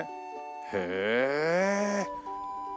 へえ！